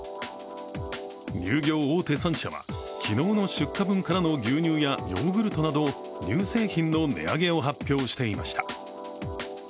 乳業大手３社は昨日の出荷分からの牛乳やヨーグルトなど乳製品の値上げを発表していました。